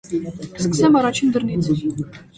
Սկսեմ առաջին դռնից: